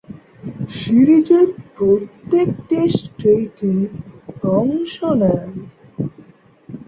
সিরিজের প্রত্যেক টেস্টেই তিনি অংশ নেন।